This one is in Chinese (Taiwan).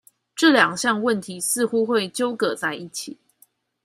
這兩項問題似乎會糾葛在一起